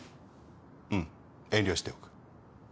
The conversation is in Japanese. うん遠慮しておく。